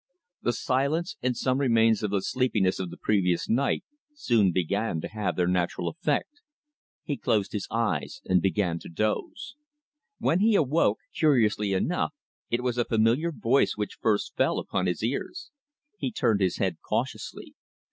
The silence, and some remains of the sleepiness of the previous night, soon began to have their natural effect. He closed his eyes and began to doze. When he awoke, curiously enough, it was a familiar voice which first fell upon his ears. He turned his head cautiously.